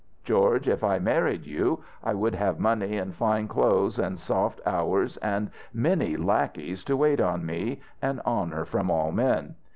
George, if I married you I would have money and fine clothes and soft hours and many lackeys to wait on me, and honour from all men.